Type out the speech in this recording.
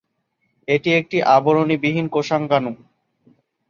এটি একটি আবরণী বিহীন কোষাঙ্গাণু।